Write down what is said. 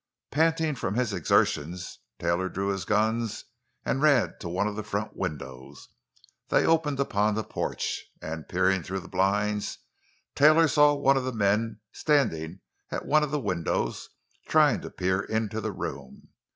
Panting from his exertions, Taylor drew his guns and ran to one of the front windows. They opened upon the porch, and, peering through the blinds, Taylor saw one of the men standing at one of the windows, trying to peer into the room.